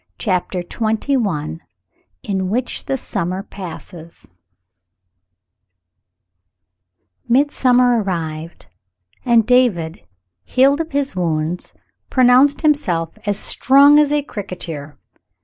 CHAPTER XXI IN WHICH THE SUMMER PASSES MiDSUAOiER arrived, and David, healed of his wounds, pronounced himself as "strong as a cricketer."